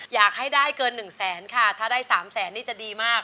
อยากให้ได้เกิน๑แสนค่ะถ้าได้๓แสนนี่จะดีมาก